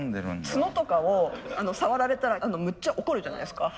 角とかを触られたらむっちゃ怒るじゃないですか。